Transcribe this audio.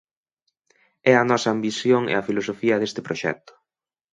É a nosa ambición e a filosofía deste proxecto.